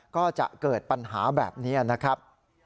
ก็จะเกิดปัญหาแบบนี้นะครับ